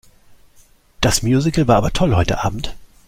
Das Musical war aber toll heute Abend.